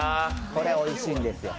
これおいしいんですよ。